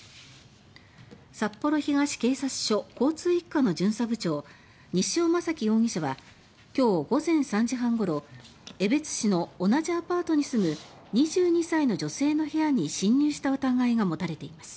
札幌東警察署交通１課の巡査部長西尾将希容疑者は今日午前３時半ごろ江別市の同じアパートに住む２２歳の女性の部屋に侵入した疑いが持たれています。